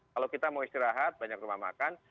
kalau kita mau istirahat banyak rumah makan